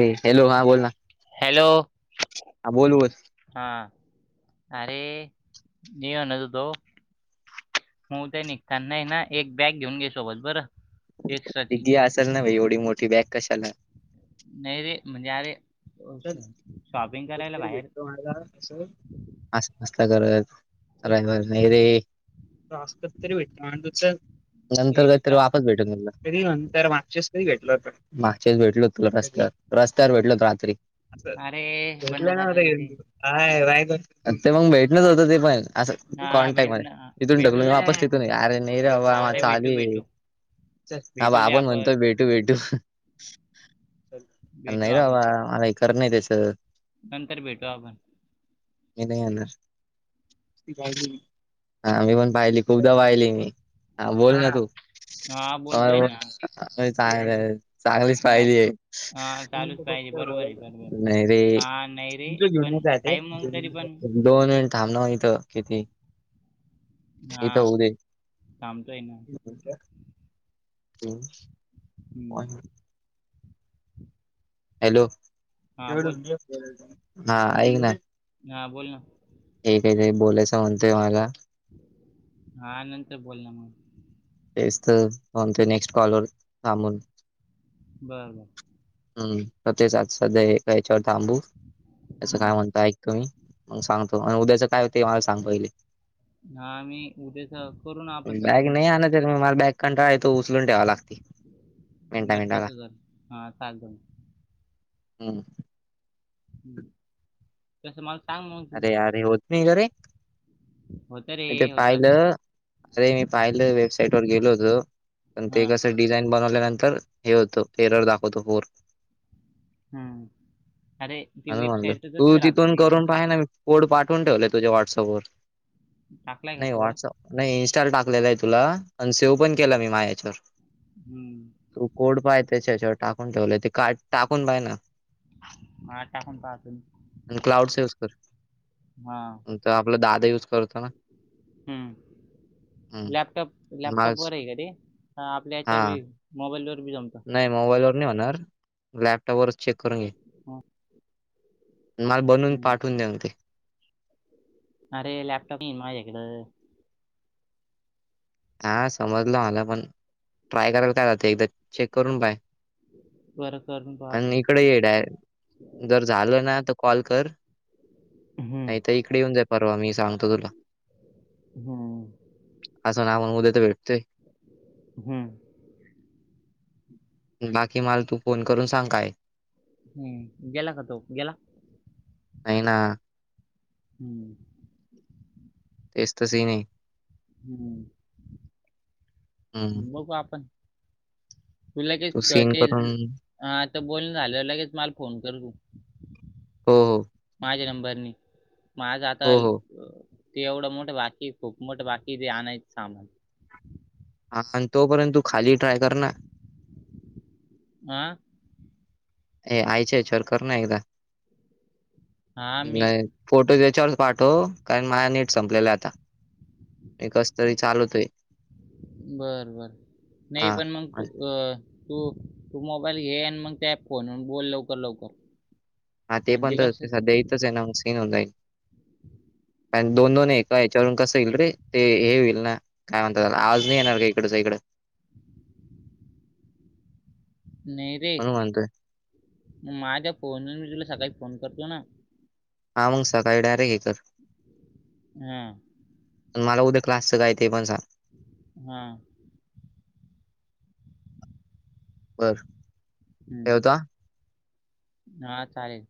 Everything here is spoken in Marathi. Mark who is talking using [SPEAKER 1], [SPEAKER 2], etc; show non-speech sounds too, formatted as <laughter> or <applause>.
[SPEAKER 1] रे हॅलो हा बोल ना
[SPEAKER 2] हॅलो
[SPEAKER 1] हा बोल बोल
[SPEAKER 2] हा अरे मी म्हणत होतो. हो का निघता नाही ना एक बॅग घेऊन घे सोबत बरं. एक्स्ट्राची
[SPEAKER 1] तिगी असल न बा एवढी मोठी बॅग कशाला
[SPEAKER 2] नाही रे म्हणजे अरे शॉपिंग करायला बाहेर
[SPEAKER 1] मस्त करतर नाही रे <inaudible> तरी भेटु नंतर काहीतरी
[SPEAKER 2] एक्स्ट्रा
[SPEAKER 1] वापस भेटून गेला. कध नंतर मागच्या वेळेस कधी भेटल हो मागशस भेटल तु रस्त्यावर रस्त्यावर भेटलो रात्री
[SPEAKER 2] अरे बंद
[SPEAKER 1] भेटलं ना
[SPEAKER 2] कर रे ते
[SPEAKER 1] काय राह ते मग भेटणच होतं ते पण असं
[SPEAKER 2] हा
[SPEAKER 1] कॉन्टॅक्ट
[SPEAKER 2] भेट
[SPEAKER 1] मध्ये
[SPEAKER 2] ना
[SPEAKER 1] इथून
[SPEAKER 2] भेटू
[SPEAKER 1] ढकलो मी
[SPEAKER 2] ना मग
[SPEAKER 1] वापस
[SPEAKER 2] भेटू
[SPEAKER 1] तिथून अरे न र
[SPEAKER 2] अरे
[SPEAKER 1] माझ
[SPEAKER 2] भेटू
[SPEAKER 1] आली
[SPEAKER 2] भेटू भेटू
[SPEAKER 1] हा
[SPEAKER 2] रे
[SPEAKER 1] पण म्हणतोय
[SPEAKER 2] आपण
[SPEAKER 1] भेटू भेटू
[SPEAKER 2] भेटू
[SPEAKER 1] नाहीरें
[SPEAKER 2] आपण
[SPEAKER 1] बाबा मलाही कर नाही त्याच
[SPEAKER 2] नंतर भेटू आपण
[SPEAKER 1] हे नाही येणार. हा मी पण पाहिली खूपदा पाहिली मी हा बोल ना तू
[SPEAKER 2] हा बोलतोय
[SPEAKER 1] ह
[SPEAKER 2] ना
[SPEAKER 1] काय चांगलीच
[SPEAKER 2] हा
[SPEAKER 1] पाहिली आहे.
[SPEAKER 2] हा, चालूच पाहिजे बरोबर आहे बरोबर आहे.
[SPEAKER 1] नाही रे
[SPEAKER 2] हा नाही रे
[SPEAKER 1] तुच घेऊन
[SPEAKER 2] पण आहे
[SPEAKER 1] नाहीच..
[SPEAKER 2] मग तरी पण
[SPEAKER 1] दोन मिनटं थांब ना मग किती.
[SPEAKER 2] हा
[SPEAKER 1] इथ होऊ दे
[SPEAKER 2] थांबतोय ना हम्म
[SPEAKER 1] हॅलो,
[SPEAKER 2] हा बोल
[SPEAKER 1] हा ऐक ना
[SPEAKER 2] हा बोल ना
[SPEAKER 1] हे काही तरी बोलायचं म्हणतोय मला
[SPEAKER 2] हा नंतर बोल ना मग
[SPEAKER 1] तेच तर कोणत्या नेक्स्ट कॉल वर थांबून
[SPEAKER 2] बर बर
[SPEAKER 1] हम् तर तेच आज सध्या एका याच्यावर थांबू त्यांच
[SPEAKER 2] हम्म.
[SPEAKER 1] काय म्हणताय ऐक तुम्ही मग सांगतो आणि उद्याचं काय ते मला सांग पहिले.
[SPEAKER 2] हा मी उद्याचा करू ना आपण तसं
[SPEAKER 1] बॅग
[SPEAKER 2] मंग
[SPEAKER 1] नाही आणत तर म मला बॅक कंटाळा येतो, उचलून ठेवा लागती
[SPEAKER 2] मग
[SPEAKER 1] मिनटा
[SPEAKER 2] बरं
[SPEAKER 1] मिनटाला
[SPEAKER 2] तसं कर हा चालतं मग
[SPEAKER 1] हम्
[SPEAKER 2] हम्म तसं मला सांग मग तू
[SPEAKER 1] अरे यार होत नाही का रे
[SPEAKER 2] होतं रे
[SPEAKER 1] तिथे
[SPEAKER 2] होतं
[SPEAKER 1] पाहिलं अरे मी पाहिलं वेबसाईट वर गेलो होतो पण
[SPEAKER 2] हा
[SPEAKER 1] ते कसं डिझाईन बनवल्यानंतर हे होतं एरर दाखवतो फोर
[SPEAKER 2] हम् अरे ती वेबसाईट तर तसंच राहतं रे
[SPEAKER 1] काय नाही मी कोड पाठून ठेवलाय तुझ्या व्हाट्सअप वर
[SPEAKER 2] टाकलाय का
[SPEAKER 1] नाही
[SPEAKER 2] कोड
[SPEAKER 1] व्हाट्सअप नाही इन्स्टॉल टाकलेला आहे तुला आणि सेव्ह पण केला मी माझ्या याच्यावर
[SPEAKER 2] हम्म
[SPEAKER 1] तू कोड पाय त्याच्या याच्यावर टाकून ठेवलंय ते काय टाकून पाय ना.
[SPEAKER 2] माझा टाकून पहातो मी.
[SPEAKER 1] आणि क्लाउडचा युज तर
[SPEAKER 2] हा
[SPEAKER 1] तो आपला दादा युज करतो ना.
[SPEAKER 2] हम्म
[SPEAKER 1] हम्म
[SPEAKER 2] लॅपटॉप लॅपटॉप
[SPEAKER 1] माझ
[SPEAKER 2] वर आहे का ते हा आपल्या
[SPEAKER 1] हा
[SPEAKER 2] याच्यावर मोबाईल वर बी जमतं
[SPEAKER 1] नाही मोबाईल वर नाही होणार लॅपटॉप वरच चेक करून घे.
[SPEAKER 2] हा.
[SPEAKER 1] मला बनून
[SPEAKER 2] हम्म.
[SPEAKER 1] पाठवून द्या ना ते.
[SPEAKER 2] अरे लॅपटॉप नाही माझ्याकडं
[SPEAKER 1] हा समजलं मला पण ट्राय करायला काय जातं एकदा चेक करून पाय
[SPEAKER 2] बरं करून पाहतो
[SPEAKER 1] आणि इकडं ये डायरेक्ट जर झालं ना तर कॉल कर
[SPEAKER 2] हम्म
[SPEAKER 1] ऐक तर इकडं येऊन जाय परवा मी सांगतो तुला
[SPEAKER 2] हम्म
[SPEAKER 1] नावांमध्ये तर भेटतय.
[SPEAKER 2] हम्म
[SPEAKER 1] बाकी मला तू फोन करून सांग काय
[SPEAKER 2] हम्म गेला का तो गेला?
[SPEAKER 1] हाय ना.
[SPEAKER 2] हम्म
[SPEAKER 1] तेच तसे नाही.
[SPEAKER 2] हम्म
[SPEAKER 1] हम्म
[SPEAKER 2] बघू आपण तुला
[SPEAKER 1] तू
[SPEAKER 2] काय
[SPEAKER 1] सीन
[SPEAKER 2] ते
[SPEAKER 1] करून
[SPEAKER 2] हा आता बोलणं झाल्यावं लगेच मला फोन कर तू
[SPEAKER 1] हो
[SPEAKER 2] माझ्या नंबरनी माझं आता
[SPEAKER 1] हो हो
[SPEAKER 2] ते एवढं मोठं बाकी खूप मोठं बाकी जे आणायंच सामान
[SPEAKER 1] हा आणि तोपर्यंत तू खाली ट्राय कर ना.
[SPEAKER 2] म
[SPEAKER 1] हे आईच्या याच्यावर कर ना एकदा
[SPEAKER 2] हा मी
[SPEAKER 1] नाही फोटो याच्यावरच पाठव कारण माझ नेट संपलेलं हे आता हे कस तरी चालतोय....
[SPEAKER 2] बर बर नाही पण मग... तू अ तू तू मोबाईल घे आणि मग त्याप फन बोल लवकर लवकर..... <inaudible>
[SPEAKER 1] हा ते पण तर
[SPEAKER 2] कसं
[SPEAKER 1] सद्या इथच आहे ना सीन होई... आणि दोन दोन ए याच्यावरून कसं येईल रे ते हे होईल ना.... काय म्हणतात आवाज नाही येणार का इकडच इकंड....
[SPEAKER 2] नाही रे
[SPEAKER 1] म्हणून म्हणतोय
[SPEAKER 2] मग माझ्या फोन मी तुला सकाळी फोन करतो ना.....
[SPEAKER 1] हा मग सकाळी डारेक्ट हे कर...
[SPEAKER 2] हा....
[SPEAKER 1] मला उद्या क्लासचं काय ते पण सांग...
[SPEAKER 2] हा....
[SPEAKER 1] बर....
[SPEAKER 2] हम्म हा चालेल.....